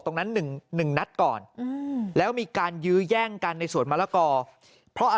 ตรงนั้นหนึ่งนัดก่อนแล้วมีการยื้อแย่งกันในส่วนมะละกอเพราะ